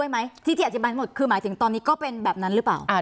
หมายถึงตอนนี้ก็เป็นแบบนั้นหรือเปล่า